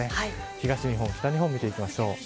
東日本、北日本見ていきましょう。